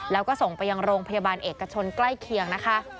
แล้วก็ส่งไปยังโรงพยาบาลเอกชนใกล้เคียงนะคะ